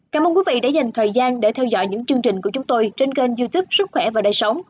cảm ơn quý vị đã dành thời gian để theo dõi những chương trình của chúng tôi trên kênh youtube sức khỏe và đời sống